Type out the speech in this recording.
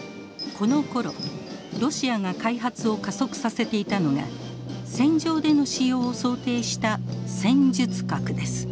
このころロシアが開発を加速させていたのが戦場での使用を想定した戦術核です。